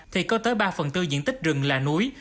thì có tới ba phần tư diện tích rừng là núi